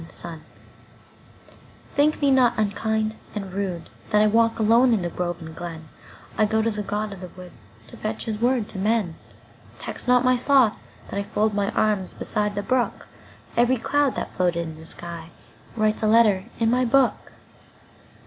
The Apology THINK me not unkind and rudeThat I walk alone in grove and glen;I go to the god of the woodTo fetch his word to men. Tax not my sloth that IFold my arms beside the brook; Each cloud that floated in the skyWrites a letter in my book.